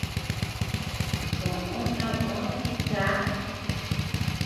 Koʼo nabö tika.